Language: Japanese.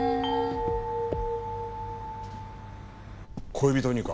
恋人にか？